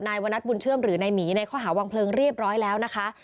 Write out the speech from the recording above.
วณัฐบุญเชื่อมหรือนายหมีในข้อหาวางเพลิงเรียบร้อยแล้วนะคะ